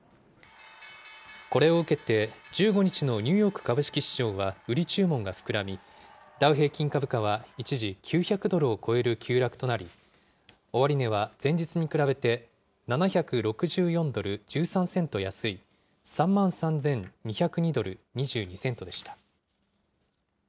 これを受けて、１５日のニューヨーク株式市場は売り注文が膨らみ、ダウ平均株価は一時９００ドルを超える急落となり、終値は前日に比べて、７６４ドル１３セント安い、３万３２０２ドル２２セントでした。